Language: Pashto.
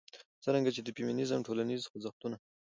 څرنګه چې د فيمنيزم ټولنيز خوځښتونه